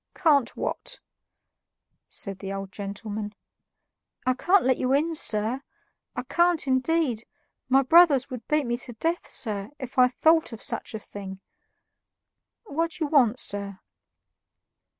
"Can't what?" said the old gentleman. "I can't let you in, sir I can't, indeed; my brothers would beat me to death, sir, if I thought of such a thing. What do you want, sir?"